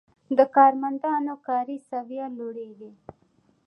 د کارمندانو کاري سویه لوړیږي.